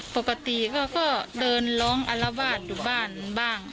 ปกติเขาก็เดินร้องอารวาสอยู่บ้านบ้าง